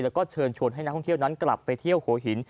แล้วก็เชิญชวนให้นักท่องเที่ยวนั้นกลับไปเที่ยวหัวหิน